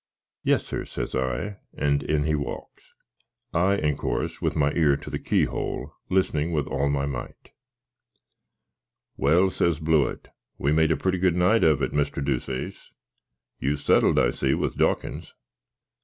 "Yes, sir," says I; and in he walks. I, in coars, with my ear to the keyhole, listening with all my mite. "Well," says Blewitt, "we maid a pretty good night of it, Mr. Deuceace. You've settled, I see, with Dawkins."